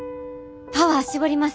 パワー絞ります。